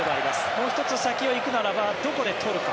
もう１つ先を行くならばどこで取るか。